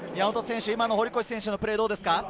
堀越選手のプレーどうですか？